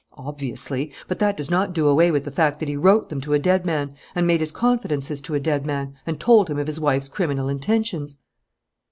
"Obviously. But that does not do away with the fact that he wrote them to a dead man and made his confidences to a dead man and told him of his wife's criminal intentions."